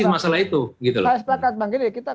rakyat tidak ngerti masalah itu